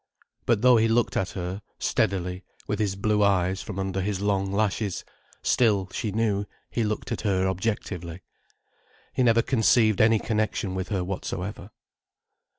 But though he looked at her, steadily, with his blue eyes, from under his long lashes, still, she knew, he looked at her objectively. He never conceived any connection with her whatsoever.